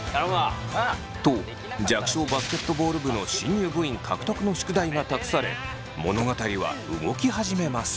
と弱小バスケットボール部の新入部員獲得の宿題が託され物語は動き始めます。